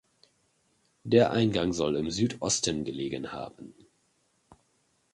Der Eingang soll im Südosten gelegen haben.